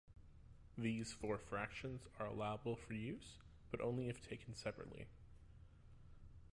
These four fractions are allowable for use, but only if taken separately.